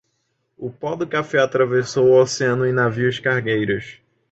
O pó de café atravessou o oceano em navios cargueiros